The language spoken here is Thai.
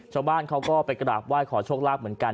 ชาวบ้านเขาก็ไปกราบไหว้ขอโชคลาภเหมือนกัน